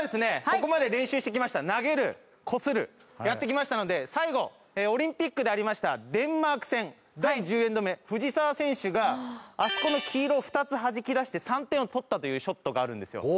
ここまで練習してきました「投げる」「こする」やってきましたので最後オリンピックでありましたデンマーク戦第１０エンド目藤澤選手があそこの黄色を２つはじき出して３点を取ったというショットがあるんですよ。